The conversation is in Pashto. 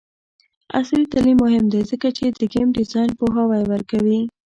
عصري تعلیم مهم دی ځکه چې د ګیم ډیزاین پوهاوی ورکوي.